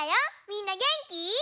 みんなげんき？